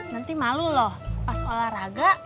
nanti malu loh pas olahraga